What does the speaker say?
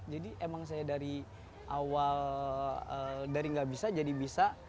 jadi emang saya dari awal dari gak bisa jadi bisa